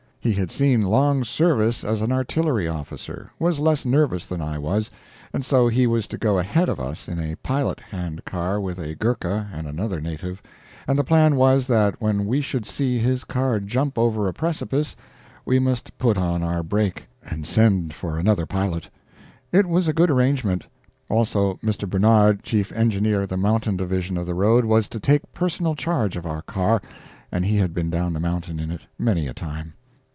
He had seen long service as an artillery officer, was less nervous than I was, and so he was to go ahead of us in a pilot hand car, with a Ghurka and another native; and the plan was that when we should see his car jump over a precipice we must put on our break [sp.] and send for another pilot. It was a good arrangement. Also Mr. Barnard, chief engineer of the mountain division of the road, was to take personal charge of our car, and he had been down the mountain in it many a time.